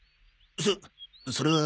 そそれは。